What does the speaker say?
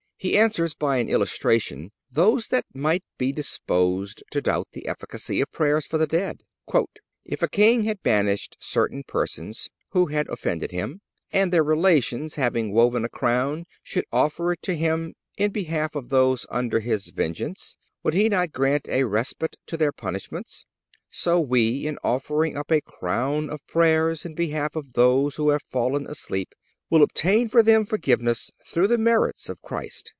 He answers by an illustration those that might be disposed to doubt the efficacy of prayers for the dead: "If a king had banished certain persons who had offended him, and their relations, having woven a crown, should offer it to him in behalf of those under his vengeance, would he not grant a respite to their punishments? So we, in offering up a crown of prayers in behalf of those who have fallen asleep, will obtain for them forgiveness through the merits of Christ."